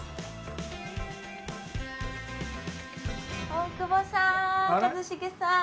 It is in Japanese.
大久保さん一茂さん！